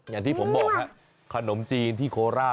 อย่างที่ผมบอกฮะขนมจีนที่โคราช